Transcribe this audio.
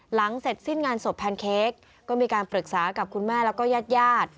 เสร็จสิ้นงานศพแพนเค้กก็มีการปรึกษากับคุณแม่แล้วก็ญาติญาติ